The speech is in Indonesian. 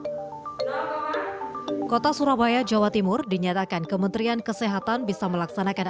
hai kota surabaya jawa timur dinyatakan kementerian kesehatan bisa melaksanakan